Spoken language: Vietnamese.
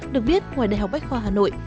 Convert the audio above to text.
được biết ngoài đại học bách khoa hà nội